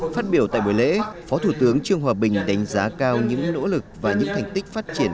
phát biểu tại buổi lễ phó thủ tướng trương hòa bình đánh giá cao những nỗ lực và những thành tích phát triển